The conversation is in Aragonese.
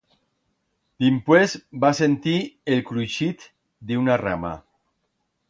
Dimpués, va sentir el cruixit de una rama.